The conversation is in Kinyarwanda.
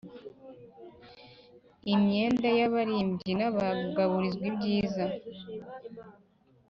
Imyenda y abarimbyi n abagaburirwa ibyiza